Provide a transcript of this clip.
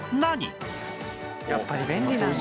やっぱり便利なんだ。